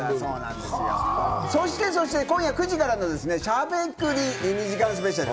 そして今夜９時からの『しゃべくり』２時間スペシャル。